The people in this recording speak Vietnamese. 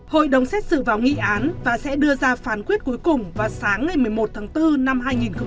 hội đồng xét xử vào nghị án và sẽ đưa ra phán quyết cuối cùng vào sáng ngày một mươi một tháng bốn năm hai nghìn hai mươi